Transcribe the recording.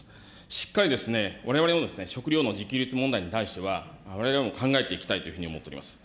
しっかりですね、われわれも食料の自給率問題に対しては、われわれも考えていきたいというふうに思っております。